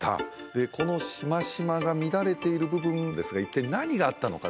でこのシマシマが乱れている部分ですが一体何があったのか？